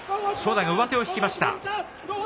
正代が上手を引きました。